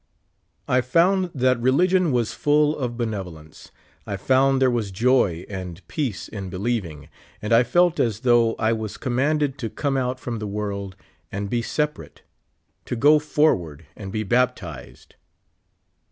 I found that* religion was full of benevolence ; I found there was joy and peace in believing, and I felt as though I was commanded to come out from the world and be separate ; to go forward and be baptized.